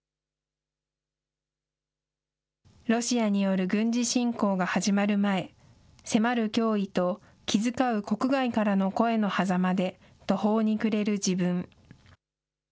ロシアによる軍事侵攻が始まる前、迫る脅威と気遣う国外からの声のはざまで途方に暮れる自分。